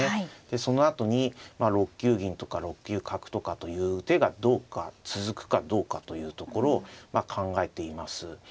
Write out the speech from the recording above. そのあとに６九銀とか６九角とかという手が続くかどうかというところを考えています。